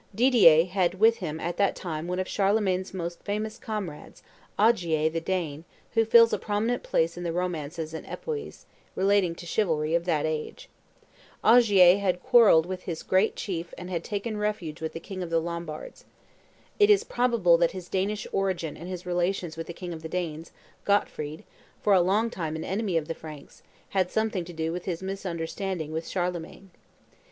Didier had with him at that time one of Charlemagne's most famous comrades, Ogier the Dane, who fills a prominent place in the romances and epopoeas, relating to chivalry, of that age. Ogier had quarrelled with his great chief and taken refuge with the king of the Lombards. It is probable that his Danish origin and his relations with the king of the Danes, Gottfried, for a long time an enemy of the Franks, had something to do with his misunderstanding with Charlemagne.